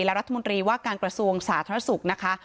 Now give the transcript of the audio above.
และรัฐมนตรีว่าการกระทรวงสาธารณสุขนะคะ